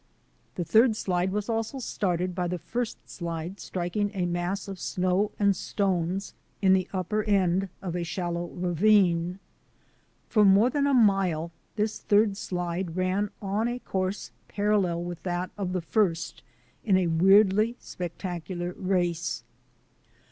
The third slide was also started by the first slide striking a mass of snow and stones in the upper end of a shallow ravine. For more than a mile this third slide ran on a course parallel with that of the first in a weirdly spectacular race.